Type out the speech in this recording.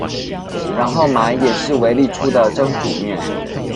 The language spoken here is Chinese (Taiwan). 然後買也是維力出的蒸煮麵